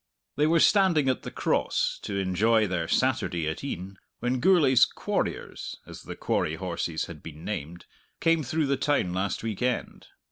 They were standing at the Cross, to enjoy their Saturday at e'en, when Gourlay's "quarriers" as the quarry horses had been named came through the town last week end.